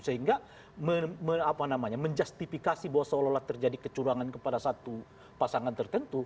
sehingga menjustifikasi bahwa seolah olah terjadi kecurangan kepada satu pasangan tertentu